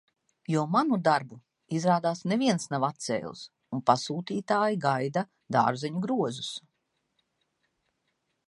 Jo manu darbu, izrādās, neviens nav atcēlis, un pasūtītāji gaida dārzeņu grozus.